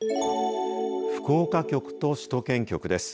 福岡局と首都圏局です。